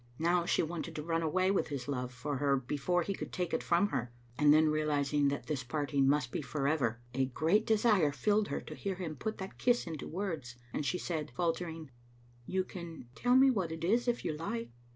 Now she wanted to run away with his love for her before he could take it from her, and then realising that this parting must be forever, a great desire filled her to hear him put that kiss into words, and she said, faltering: " You can tell me what it is if you like."